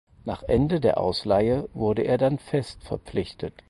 Nach Ende der Ausleihe wurde er dann fest verpflichtet.